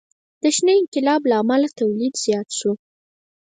د شنه انقلاب له امله تولید زیات شو.